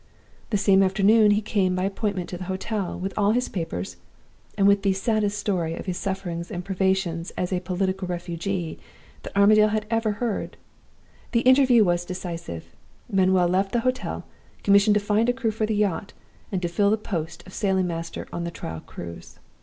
The same afternoon he had come by appointment to the hotel, with all his papers, and with 'the saddest story' of his sufferings and privations as 'a political refugee' that Armadale had ever heard. The interview was decisive. Manuel left the hotel, commissioned to find a crew for the yacht, and to fill the post of sailing master on the trial cruise.